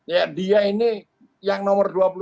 ya dia ini yang nomor dua puluh lima